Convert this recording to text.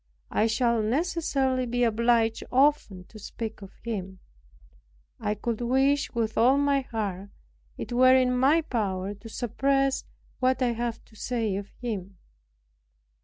I shall necessarily be obliged often to speak of him. I could wish with all my heart it were in my power to suppress what I have to say of him.